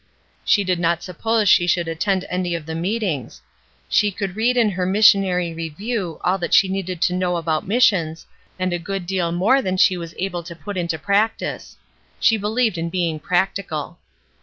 She did not suppose she should attend any of the meetings; she could read in her Missionary Review all that she needed to know about missions, and a good deal more than she was able to put into practice. She befieved in being practical.